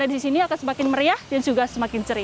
jadi suasana di sini akan semakin meriah dan juga semakin ceria